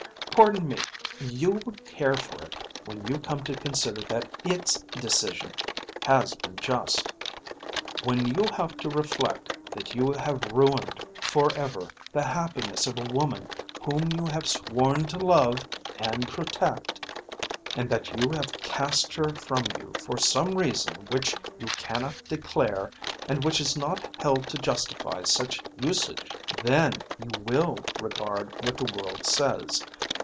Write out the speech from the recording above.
"Pardon me. You will care for it when you come to consider that its decision has been just. When you have to reflect that you have ruined for ever the happiness of a woman whom you have sworn to love and protect, and that you have cast her from you for some reason which you cannot declare and which is not held to justify such usage, then you will regard what the world says.